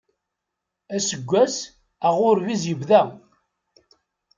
Aseggas aɣurbiz yebda.